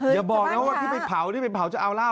อย่าบอกนะวันที่ไปเผานี่ไปเผาจะเอาเหล้า